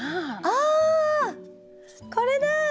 あこれだ！